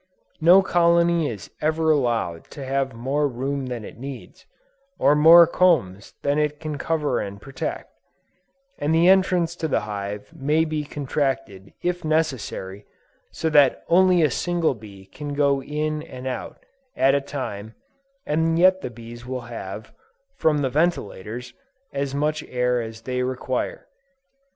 No colony is ever allowed to have more room than it needs, or more combs than it can cover and protect; and the entrance to the hive may be contracted, if necessary, so that only a single bee can go in and out, at a time, and yet the bees will have, from the ventilators, as much air as they require.